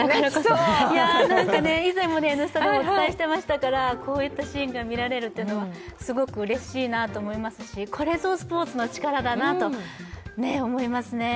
以前も「Ｎスタ」でもお伝えしていましたからこういったシーンが見られるというのはすごくうれしいなと思いますし、これぞスポーツの力だなと思いますね。